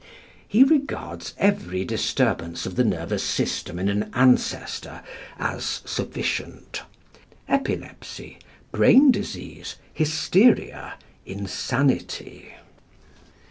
He regards every disturbance of the nervous system in an ancestor as sufficient; epilepsy, brain disease, hysteria, insanity.